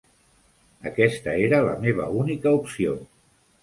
Aquesta era la meva única opció.